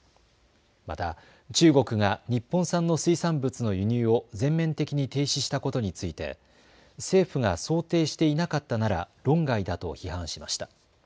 また中国が日本産の水産物の輸入を全面的に停止したことについて政府が想定していなかったなら論外だと批判しました。